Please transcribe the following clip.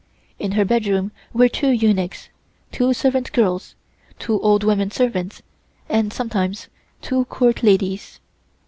In her bedroom were two eunuchs, two servant girls, two old women servants and sometimes two Court ladies.